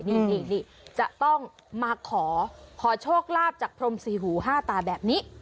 นี่จะต้องมาขอขอโชคลาภจากพรมสี่หูห้าตาแบบนี้